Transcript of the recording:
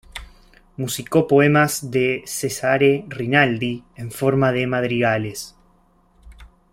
Musicó poemas de Cesare Rinaldi en forma de madrigales.